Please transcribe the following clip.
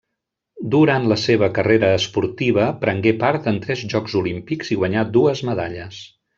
Durant la seva carrera esportiva prengué part en tres Jocs Olímpics i guanyà dues medalles.